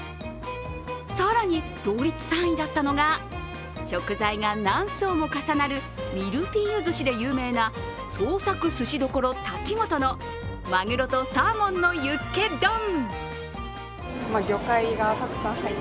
更に同率３位だったのが食材が何層も重なるミルフィーユずしで有名な創作鮨処タキモトのマグロとサーモンのユッケＤＯＮ。